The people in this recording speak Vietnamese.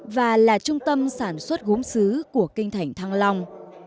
và là trung tâm sản xuất gốm xứ của kinh thành thăng long